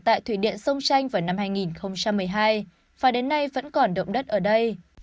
tại thủy điện sông tranh vào năm hai nghìn một mươi hai và đến nay vẫn còn động đất ở đây